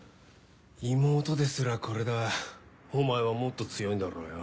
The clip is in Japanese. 妹ですらこれだお前はもっと強いんだろうよ。